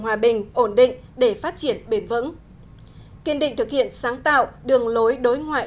hòa bình ổn định để phát triển bền vững kiên định thực hiện sáng tạo đường lối đối ngoại